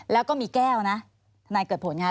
แล้วก็มีแก้วนะเส้นายเกิดโผล่งงาน